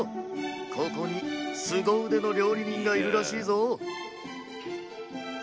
ここにすご腕の料理人がいるらしいぞ